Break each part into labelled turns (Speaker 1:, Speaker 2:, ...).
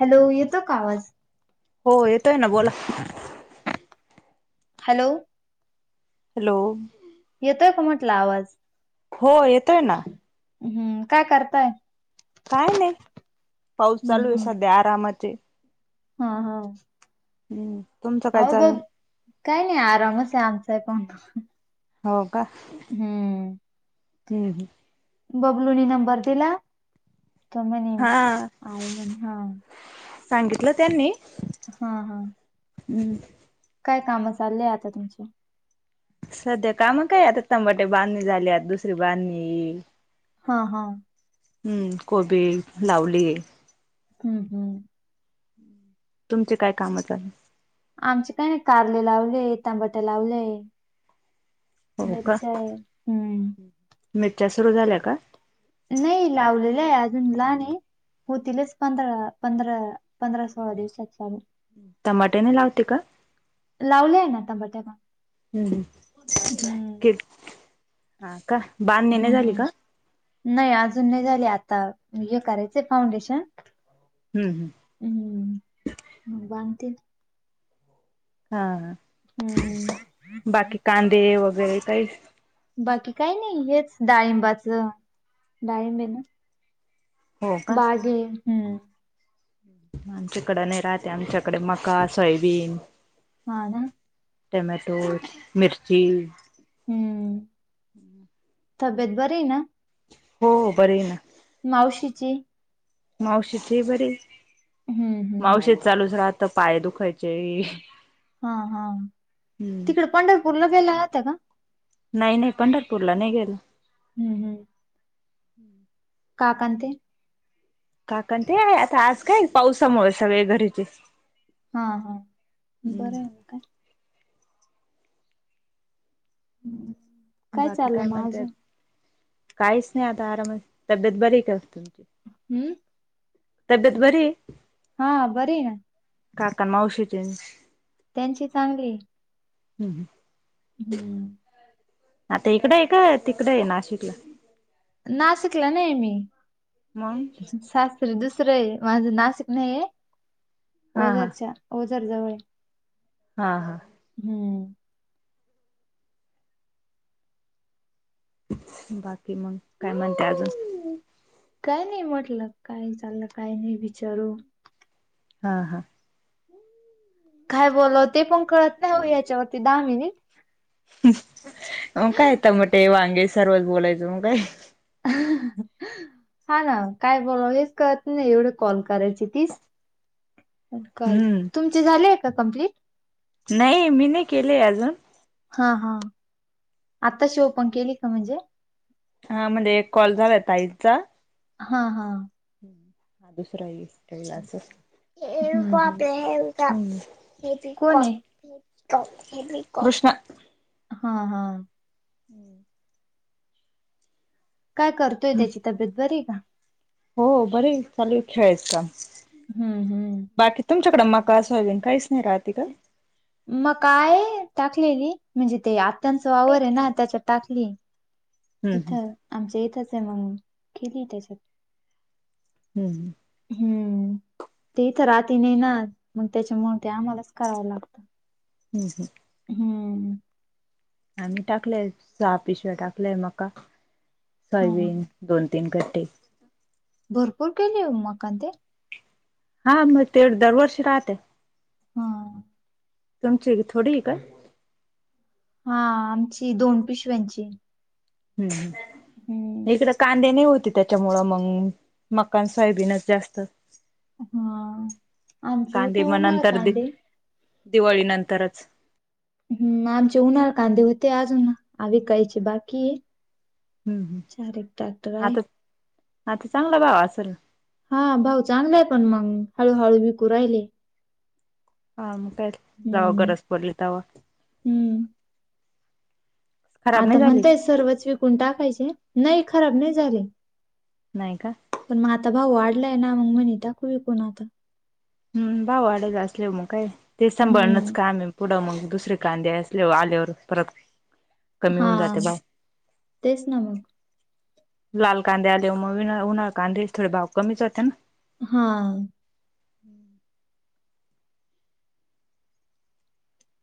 Speaker 1: Hello येतो का आवाज?
Speaker 2: हो येतोय ना बोला.
Speaker 1: हॅलो.
Speaker 2: हॅलो.
Speaker 1: येतोय का म्हटलं आवाज?
Speaker 2: हो येतोय ना
Speaker 1: हम्म काय करताय?
Speaker 2: काय नाय पाऊस चालुयं सध्या आरामचे.
Speaker 1: हां हां
Speaker 2: हुं तुमचं काय चालूयं?
Speaker 1: काय नायी आरामचयं आमचा पण.
Speaker 2: हों का?
Speaker 1: हम्म
Speaker 2: हुं.
Speaker 1: बबलूनी नंबर दिला तो म्हणे
Speaker 2: हा
Speaker 1: आहे म्हणे हां
Speaker 2: सांगितलं त्यांनी
Speaker 1: हां हां.
Speaker 2: हुं.
Speaker 1: काय कामं चालेयं आता तुमची?
Speaker 2: सध्या काम काय आता टमाॅटे बांधणी झाल्यात आता दुसरी बांधणी येई
Speaker 1: हां हां.
Speaker 2: हुं कोबी लावलीये.
Speaker 1: हुं हुं.
Speaker 2: तुमचे काय काम चालुयं?
Speaker 1: आमचे काय नायी कारलं लावलेय टामांटे लावलेय.
Speaker 2: हो
Speaker 1: मिरच्यायं हुं.
Speaker 2: मिच्या सुरू झाल्या का?
Speaker 1: नायी लावलेलयं अजून लहानयं. होतीलच पंधरा, पंधरा, पंधरा, सोळा दिवसांच्या [inaudible]
Speaker 2: टमांटे नायी लावते का?
Speaker 1: लावलेयं नां टंमांटे पण.
Speaker 2: हुं हुं
Speaker 1: हम्म.
Speaker 2: के हां का? बांधणी नायी झाली का?
Speaker 1: नायी अजून नायी झाले. आता हे करायचंय फाउंडेशन.
Speaker 2: हुं हुं.
Speaker 1: उं हुं बाधतेत.
Speaker 2: हां हां.
Speaker 1: हुं.
Speaker 2: बाकी कांदे वगैरे कायी?
Speaker 1: बाकी कायी नायी हेच डाळिंबाचं डाळिंबयं नां.
Speaker 2: हो का
Speaker 1: बागयं.
Speaker 2: आमच्याकड नायी राहते, आमच्याकडे मका, सोयाबीन.
Speaker 1: हां नां.
Speaker 2: टेमॅटो, मिर्ची.
Speaker 1: हुं तब्येत बरीयं नां?
Speaker 2: हों बरीयं नां.
Speaker 1: मावशीची
Speaker 2: मावशीची हीं बरी.
Speaker 1: हुं हुं.
Speaker 2: मावशीे चालूच राहत पाय दुखायचेये.
Speaker 1: हां हां तिकडं पंढरपूरला गेल्या नव्हत्या का?
Speaker 2: नायी नायी पंढरपूरला नायी गेलो.
Speaker 1: हुं हुं.
Speaker 2: [inaudible]
Speaker 1: काकानं ते
Speaker 2: काका ते आता आज काय पावसामुळ सगळे घरीचेत
Speaker 1: हा हा बरं म काय. हम्म.
Speaker 2: बाकी
Speaker 1: चाललं
Speaker 2: काय
Speaker 1: मग अजून
Speaker 2: म्हणतायत. काइच नाय आता आराम. तब्येत बरी का तुमची?
Speaker 1: हम्म.
Speaker 2: तब्येत बरीय?
Speaker 1: हा बरीय ना.
Speaker 2: काकान मावशी तेन?
Speaker 1: त्यांची चांगलीये.
Speaker 2: हम्म हम्म.
Speaker 1: हम्म.
Speaker 2: आता इकडय का, तिकडय नाशिकला?
Speaker 1: नाशिकला नये
Speaker 2: मंग?
Speaker 1: सासर दुसरंय माझं. नाशिक नाइये.
Speaker 2: हा हा
Speaker 1: ओझारच्या. ओझर जवळेय
Speaker 2: हा हा.
Speaker 1: हम्म.
Speaker 2: बाकी मग काय म्हणते आजून?
Speaker 1: काय नाही म्हटलं काय चाललं काय नाई ती
Speaker 2: हा हा.
Speaker 1: काय बोल ते पण कळत नाइ ओ याच्यावरती दहा मिनिट.
Speaker 2: मग काय मटे, वांगे सर्वच बोलायचं मग काय.
Speaker 1: ह [unintelligible] हा ना काय बोलाव हेच कळत नाइ. एवडे कॉल करायचे तीस. काय,
Speaker 2: हम्म
Speaker 1: तुमचे झालेय का कम्प्लीट?
Speaker 2: नाई मी नाई केले अजून.
Speaker 1: हा हा. आताशी ओपन केली का म्हणजे?
Speaker 2: हा म्हणजे एक कॉल झालाय ताईंचा.
Speaker 1: हा हा.
Speaker 2: हा दुसराला असच.
Speaker 1: हम्म हम्म कोण आहे
Speaker 2: [unintelligible] [unintelligible] कृष्णा.
Speaker 1: हा हा.
Speaker 2: [inaudible]
Speaker 1: काय करतोय. त्याची तब्येत बरीय का?
Speaker 2: हो बरीय चालूय खेळायच काम.
Speaker 1: हम्म हम्म.
Speaker 2: बाकी तुमच्याकड मका सोयाबीन काइच नाइ राहती का?
Speaker 1: मका आहे टाकलेली. म्हणजे ते आत्यांच वावरे ना. त्याच्यात टाकलीय.
Speaker 2: हम्म
Speaker 1: इथ
Speaker 2: हम्म
Speaker 1: आमच्या इथचे मग केलीय त्याच्यात.
Speaker 2: हम्म
Speaker 1: हम्म ते इते राहती नाइ ना. मग तेच्यामुळे ते आमालाच करावं लागतं.
Speaker 2: हम्म हम्म.
Speaker 1: हम्म.
Speaker 2: आम्ही टाकल्याय सहा पिशव्या टाकल्याय मका.
Speaker 1: हा
Speaker 2: सोयबीन दोन तीन गड्डे.
Speaker 1: भरपूर केलीय ओ मकान ते.
Speaker 2: हा म ते दर वर्षी राहत.
Speaker 1: ह.
Speaker 2: तुमची थोडी का?
Speaker 1: हा आमची दोन पिशव्यांची
Speaker 2: हम्म
Speaker 1: हम्म
Speaker 2: इकड कांदे नाही होती त्याच्यामुळं मग मकान सोयाबीनच जास्त
Speaker 1: हा. आमचे होते
Speaker 2: कांदे म
Speaker 1: उन्हाळ
Speaker 2: नंतर दि
Speaker 1: कांदे.
Speaker 2: दिवाळी नंतरच
Speaker 1: हम् आमचे उन्हाळ कांदे होते अजून आ विकायचे बाकी
Speaker 2: हम्
Speaker 1: चार एक ट्रॅक्टर
Speaker 2: ह्
Speaker 1: आहे.
Speaker 2: आता आता चांगला भाव असेल
Speaker 1: हा भाव चांगलेय पण मग हळूहळू विकू राहिले
Speaker 2: हा म काय जवा
Speaker 1: हम्म
Speaker 2: गरज पडली तेव्हा
Speaker 1: हम्म
Speaker 2: खराब
Speaker 1: आता
Speaker 2: नाही झाली
Speaker 1: म्हणताय सर्वच विकून टाकायचे नाही खराब नाही झाले
Speaker 2: नाही का
Speaker 1: पण मग आता भाव वाढलाय मग म्हणी टाकू विकून आता
Speaker 2: हम् भाव वाढला असले मग काय ते सांभाळणच
Speaker 1: हम्म
Speaker 2: कामही पुढं मग दुसरे कांद्यास आल्यावर परत कमी
Speaker 1: हा
Speaker 2: होऊन जाते भाव
Speaker 1: तेच ना मग
Speaker 2: लाल कांदे आलेव मग उन्हाळ कांदे थोडे भाव कमीच होते ना
Speaker 1: हा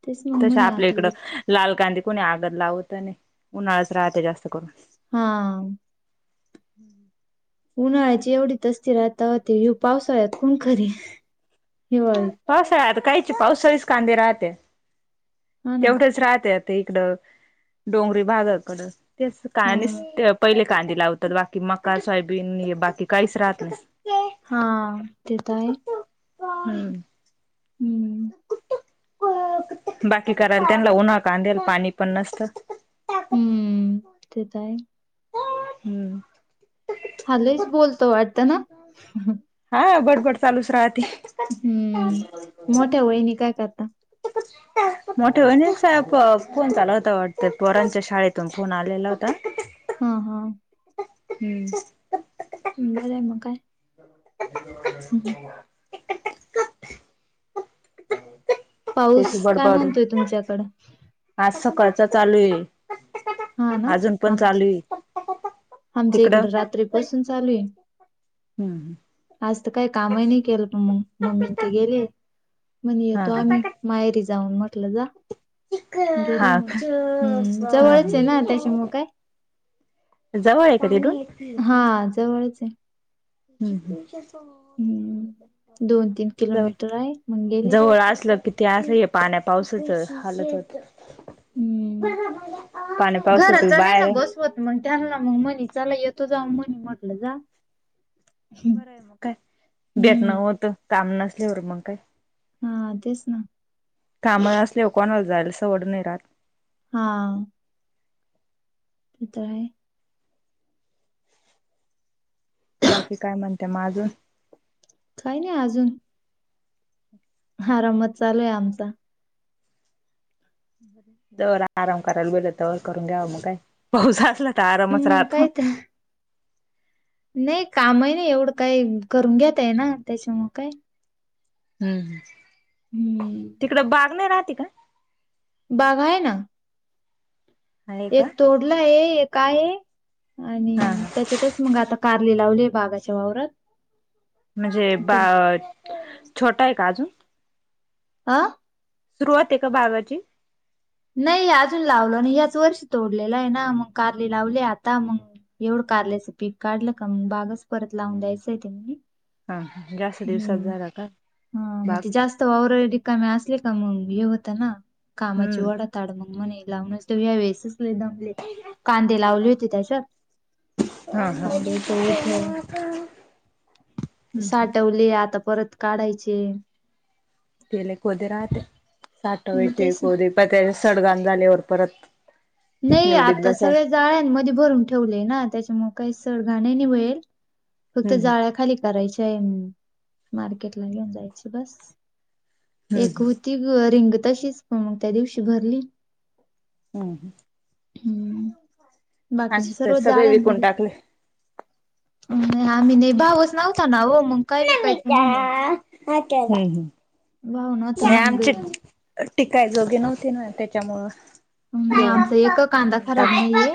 Speaker 1: तेच मग
Speaker 2: तसे
Speaker 1: म्हणे
Speaker 2: आपल्या
Speaker 1: आता
Speaker 2: इकडं
Speaker 1: विक
Speaker 2: लाल कांदे कोणी आगत लावत नाही उन्हाळाच राहते जास्त करून
Speaker 1: हा
Speaker 2: हम्म
Speaker 1: उन्हाळ्याची एवढी तस्ती राहती तवा ते मग पावसाळ्यात कोण करील हिवाळीत
Speaker 2: पावसाळ्यात काहींचे पावसाळीच कांदे राहत्या
Speaker 1: हा ना
Speaker 2: तेवढेच राहत्या ते इकडं डोंगरी भागाकड ते
Speaker 1: हा
Speaker 2: का पहिले कांदे लावतात बाकी मका सोयाबीन बाकी काहीच राहत नाही
Speaker 1: हा ते तर आहे
Speaker 2: हम्
Speaker 1: हम्म
Speaker 2: बाकी करायला त्यांना उन्हाळ कांदेला पाणी पण नसतं
Speaker 1: हम्म तेेत आहे
Speaker 2: हम्म
Speaker 1: हा लईच बोलतो वाटत ना
Speaker 2: हा बडबड चालूच राहते
Speaker 1: हम्म मोठ्या वाहिनी काय करता
Speaker 2: मोठ्या वहिनींचा फोन चालू होता वाटत पोरांच्या शाळेतून फोन आलेला होता
Speaker 1: हा हा
Speaker 2: हम्म
Speaker 1: बर आहे मग काय हम्
Speaker 2: त्याची
Speaker 1: पाऊस काय
Speaker 2: बडबड
Speaker 1: म्हणतोय तुमच्याकडं
Speaker 2: आज सकाळचा चालू आहे
Speaker 1: हा ना
Speaker 2: अजून पण
Speaker 1: आमच
Speaker 2: चालू आहे
Speaker 1: आमच्या इकड
Speaker 2: तिकडं
Speaker 1: रात्रीपसून चालू आहे
Speaker 2: हुं.
Speaker 1: आज तर काही कामही नाही केलं, म मम्मी ते गेले म्हण
Speaker 2: हा
Speaker 1: येतो आम्ही. माहेरी जाऊन म्हटलं जा. गेले
Speaker 2: हा
Speaker 1: म हुं. जवळ ये. चयेना त्याच्यामुळे काय
Speaker 2: जवळ ये का तिथून?
Speaker 1: हा जवळच हाय.
Speaker 2: हुं. हुं. जा
Speaker 1: हम्म दोन तीन
Speaker 2: जव
Speaker 1: किलोमीटर आहे मग गेले
Speaker 2: जवळ असलं की, ते आस हे पाण्या पावसाच हालच होत.
Speaker 1: हम्म.
Speaker 2: पाण्या
Speaker 1: घरात
Speaker 2: पावसाचच
Speaker 1: नाही ना
Speaker 2: बाहेर ये.
Speaker 1: बसवत मग त्याला ना मग मनी चला येतो जाऊन म्हनी म्हटलं जा.
Speaker 2: बरं हाय मग काय?
Speaker 1: हम्म
Speaker 2: भेटणं होत काम नसल्यावर मग काय.
Speaker 1: हा तेच ना.
Speaker 2: काम असलेवर कोणाला जायला सवड नाही राहात.
Speaker 1: हा. इथ हाय.
Speaker 2: बाकी काय म्हणते मग अजून?
Speaker 1: काही नाही अजून. आरामात चालू ये आमचा.
Speaker 2: जोवर आराम करायला मिलल तवर करून घ्याव काय, पाऊस असला तर, आरामच
Speaker 1: मग
Speaker 2: राहतो.
Speaker 1: काय तर नाही कामही नाही एवढं काही करून घेतेय ना, त्याच्यामूळ काय?
Speaker 2: हम्म
Speaker 1: हम्म
Speaker 2: तिकडं बाग नाही राहते का?
Speaker 1: बाग आहे ना.
Speaker 2: आहे का
Speaker 1: एक तोडलंय, एक आहे
Speaker 2: हा
Speaker 1: आणि
Speaker 2: हा
Speaker 1: त्याच्यातच मग आता कारली लावली बागाच्या वावरात
Speaker 2: म्हणजे बा
Speaker 1: ते
Speaker 2: छोटा हाय का अजून?
Speaker 1: आं.
Speaker 2: सुरुवात आहे का बागाची?
Speaker 1: नाही अजून लावलं नाही. ह्याच वर्षी तोडलेला आहे ना, मग कारली लावली. आता मग एवढं कारल्यायचं पीक काढलं का? मग बागच परत लावून द्यायचय ते.
Speaker 2: हां हां. जास्त दिवसात झाला का
Speaker 1: हा मग
Speaker 2: बाग?
Speaker 1: ते जास्त वावर रिकामे असले का? मग हे होत ना कामाची
Speaker 2: हम्म
Speaker 1: ओढत? ताड मग म्हणे, लावूनच देवूया् यावेळेसच लई दमलेत. कांदे लावले होते त्याच्यात, कांद्याच ओझ
Speaker 2: हां.
Speaker 1: साठवले, आता परत काढायचे.
Speaker 2: केले कोदे राहते,
Speaker 1: मग
Speaker 2: साठवायचे
Speaker 1: तेच ना
Speaker 2: कोदे पाय त्याचे सडगाण झाल्यावर परत
Speaker 1: नाही
Speaker 2: निवडीत
Speaker 1: आता
Speaker 2: बसाय
Speaker 1: सगळेच जाळ्यांमध्ये भरून ठेवले ना, त्याच्यामुळे काही सडगाण ना नि मिळेल, फक्त
Speaker 2: हम्म
Speaker 1: जाळ्या खाली करायच्या ये मार्केट ला घेऊन जायची बस.
Speaker 2: हम्म
Speaker 1: एक होती ती रिंग तशीच, पण मग त्या दिवशी भरली.
Speaker 2: हुं.
Speaker 1: हुं.
Speaker 2: आणि
Speaker 1: बाकीचे
Speaker 2: ते
Speaker 1: सर्व
Speaker 2: सगळे विकून
Speaker 1: जाळ्यांमधे
Speaker 2: टाकले.
Speaker 1: नाही आम्ही नाही भावच नव्हता ना ओ, मग काय विकायचं म्हणे? भाव नव्हता
Speaker 2: ह्या
Speaker 1: मग
Speaker 2: आमचे टिकाय जोगे नव्हती ना त्याच्यामुळं.
Speaker 1: नाही
Speaker 2: देऊन
Speaker 1: आमचा एक कांदा
Speaker 2: देऊन टाक
Speaker 1: खराब नाहीये,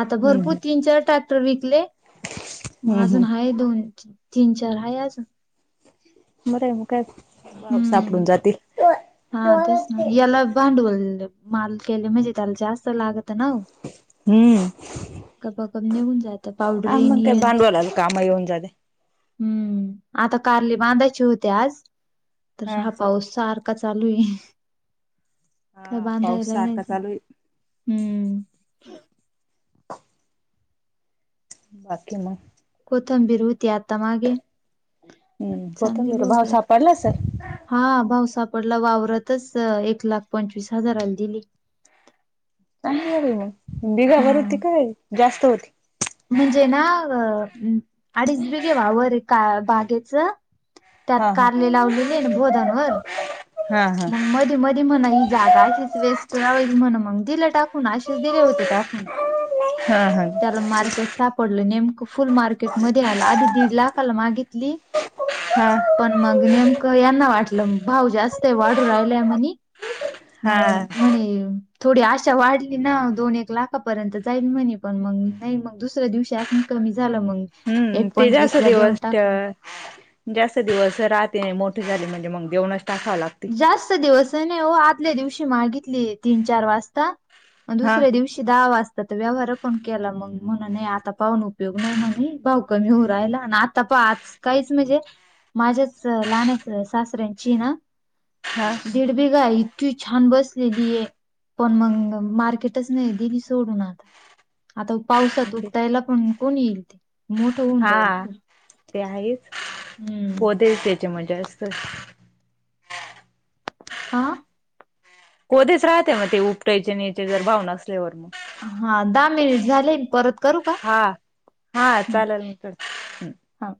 Speaker 1: आता भरपूर
Speaker 2: हम्म
Speaker 1: तीन चार टाक विकले मग
Speaker 2: हम्म
Speaker 1: अजून
Speaker 2: हम्म
Speaker 1: हाय दोन- तीन चार हाय अजून.
Speaker 2: बर आहे मग काय
Speaker 1: हम्म
Speaker 2: सापडून जातील.
Speaker 1: हा तेच ना येला बांडवल माल केले मजितल जास्त लागतं ना ओ.
Speaker 2: हम्म.
Speaker 1: कपागप नेऊन जात पावडर
Speaker 2: हा मग काय
Speaker 1: येनियन
Speaker 2: भांडवलाला काम येऊन जाते
Speaker 1: हम्म, आता कारली बांधायची होती आज तर हा पाऊस सारख चालू आहे काय
Speaker 2: हा पाऊस
Speaker 1: बांधाला
Speaker 2: सारखा
Speaker 1: नाहीच
Speaker 2: चालू आहे
Speaker 1: हम्म.
Speaker 2: बाकी मग!
Speaker 1: कोथंबीर होती आत्ता मागे.
Speaker 2: हम्म होत
Speaker 1: चांगली
Speaker 2: मिर भाव
Speaker 1: गेली
Speaker 2: सापडला सर.
Speaker 1: हा भाऊ सापडला वावरतच एक लाख पंचवीस हजाराला दिली. [inaudible]
Speaker 2: चांग मग बिघा
Speaker 1: हा.
Speaker 2: भर होती काय, जास्त होती.
Speaker 1: म्हणजे ना अ अंम अडीच बी घेवा वावर आहे का बागेचं? त्यात
Speaker 2: हा हा
Speaker 1: कारले लावलेले ना बोधांवर
Speaker 2: हा हा
Speaker 1: मग मधे मधे म्हणा ही जागा अशीच वेस्ट राहील म्हण मग दिलं टाकून असेच दिले होते टाकून.
Speaker 2: हा हा
Speaker 1: त्याला मार्केट साप पडल नेमकं फुल मार्केट मध्ये आला आधी दीड लाखाला मागितली.
Speaker 2: हा.
Speaker 1: पण मग नेमकं यांना वाटलं भाव जास्त आहे वाढू राहिलाय म्हणी.
Speaker 2: हा
Speaker 1: मग म्हणे थोडी आशा वाढली ना दोन एक लाखापर्यंत जाईल म्हणे पण मग नाही मग दुसऱ्या दिवसा प कमी झालं मग.
Speaker 2: हम्म, ते जास्त
Speaker 1: देऊन
Speaker 2: दिवस त्या
Speaker 1: टाकलं.
Speaker 2: जास्त दिवस रात्री मोठीे झाली म्हणजे मग देवणच टाकावं लागत.
Speaker 1: जास्त दिवस आहे ना हो आदल्या दिवशी मागितली तीन चार वाजता,
Speaker 2: हा
Speaker 1: दुसऱ्या दिवशी दहा वाजतात व्यवहार पण केला मंग म्हण आता पाहून उपयोग नाही म्हणे भाव कमी होऊ राहिला. त पा आज काहीच म्हणजे माझ्याच लहान सासऱ्यांची ना
Speaker 2: हा.
Speaker 1: दीड बेघा इतकी छान बसलेली आहे. पण मग मार्केटच नाही दिली सोडून आता. आता पावसात उठतायला पण कोण येईल ते मोठं होऊन जाईल
Speaker 2: हा
Speaker 1: खूप.
Speaker 2: ते आहेच
Speaker 1: हम्म.
Speaker 2: कोदर त्याचे म्हणजे असत.
Speaker 1: हां.
Speaker 2: कोधेच राहते मग ते उपटायचे न याचे जर भाव नसल्यावर मग.
Speaker 1: हा दहा मिनिट झाले परत करू का?
Speaker 2: हा हा चालेल म कर.
Speaker 1: हा.